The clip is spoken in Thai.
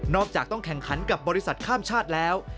จากต้องแข่งขันกับบริษัทข้ามชาติแล้ว